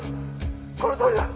「このとおりだ」